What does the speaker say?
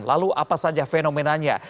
lalu apa saja fenomenanya